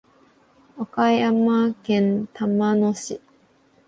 岡山県玉野市